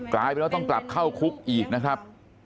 กลายเป็นว่าต้องกลับเข้าคุกอีกนะครับ